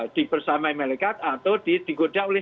dibersamai malaikat atau digoda oleh